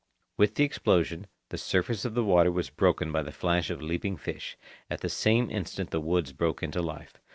With the explosion, the surface of the water was broken by the flash of leaping fish. At the same instant the woods broke into life.